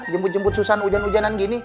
jemput jemput susan ujan ujanan gini